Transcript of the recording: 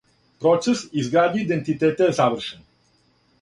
Процес изградње идентитета је завршен.